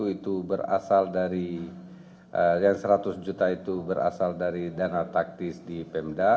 itu berasal dari yang seratus juta itu berasal dari dana taktis di pemda